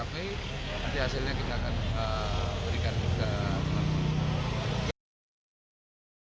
kita sedang mendalami kita sedang bekerja kita sedang olah tekafe